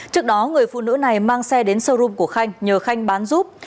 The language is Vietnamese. trước đó người phụ nữ này mang xe đến showroom của khanh nhờ khanh bán giúp